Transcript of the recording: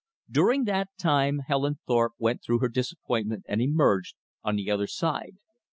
During that time Helen Thorpe went through her disappointment and emerged on the other side.